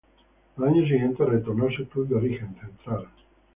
Al año siguiente retornó a su club de origen, Central.